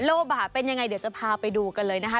โลบาเป็นยังไงเดี๋ยวจะพาไปดูกันเลยนะคะ